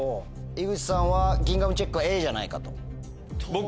井口さんはギンガムチェックはＡじゃないかと。